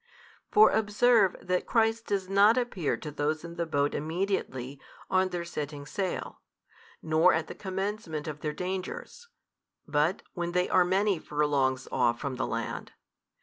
For observe that Christ does not appear to those in the boat immediately on their setting sail, nor at the commencement of their dangers, but when they are many furlongs off from the land.